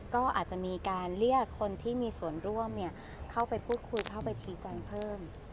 ก็อาจจะมีการเรียกคนที่มีส่วนร่วมเข้าไปพูดคุยเข้าไปชี้แจงเพิ่ม